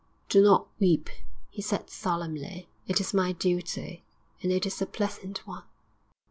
'Do not weep,' he said solemnly. 'It is my duty, and it is a pleasant one.